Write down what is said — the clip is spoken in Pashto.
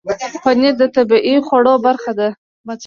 پنېر د طبیعي خوړو برخه ده.